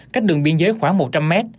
cách đường biên giới khoảng một trăm linh m